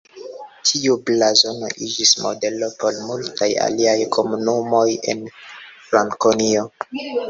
Tiu blazono iĝis modelo por multaj aliaj komunumoj en Frankonio.